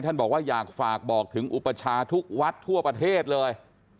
บอกว่าอยากฝากบอกถึงอุปชาทุกวัดทั่วประเทศเลย